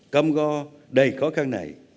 cam go đầy khó khăn này